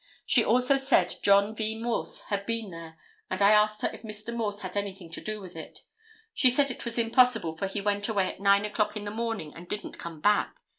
She also said John V. Morse had been there, and I asked her if Mr. Morse had anything to do with it. She said it was impossible, for he went away at 9 o'clock in the morning and didn't come back.